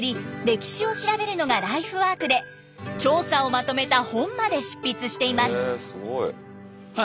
歴史を調べるのがライフワークで調査をまとめた本まで執筆しています。